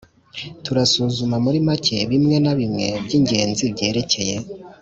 turasuzuma muri make bimwe na bimwe by'ingenzi byerekeye